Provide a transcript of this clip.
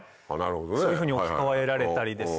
そういうふうに置き換えられたりですね